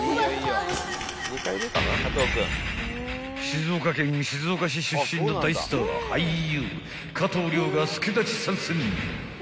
［静岡県静岡市出身の大スター俳優加藤諒が助太刀参戦］